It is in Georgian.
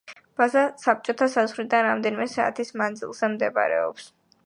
ბაზა საბჭოთა საზღვრიდან რამდენიმე საათის მანძილზე მდებარეობს.